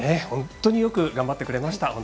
本当によく頑張ってくれました。